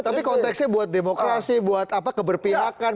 tapi konteksnya buat demokrasi buat keberpihakan